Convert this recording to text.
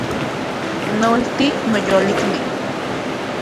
Nolti, noyolikni